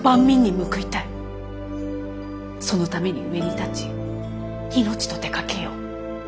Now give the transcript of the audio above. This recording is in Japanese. そのために上に立ち命とてかけよう。